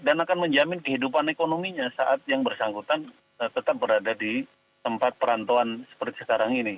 dan akan menjamin kehidupan ekonominya saat yang bersangkutan tetap berada di tempat perantauan seperti sekarang ini